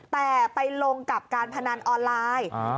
แต่ไปลงกับการพนันออนไลน์